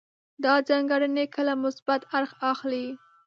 دا ځانګړنې کله مثبت اړخ اخلي.